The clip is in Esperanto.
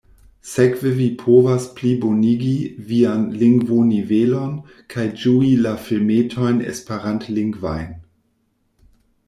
Sekve vi povas plibonigi vian lingvonivelon kaj ĝui la filmetojn esperantlingvajn.